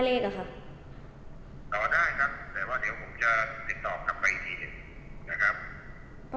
โอ้โหเอ้ยทำไมเราถึงได้แค่๒ตัวล่ะหรอทำไมถึงไม่ได้อีกแถวคุณ